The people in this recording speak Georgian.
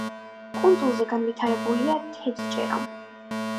კუნძულზე განვითარებულია თევზჭერა.